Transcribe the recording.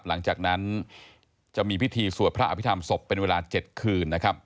หลังจากนั้นจะมีพิธีสวดพระอภิษฐรรมศพเป็นเวลา๗คืนนะครับ